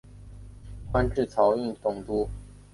官至漕运总督。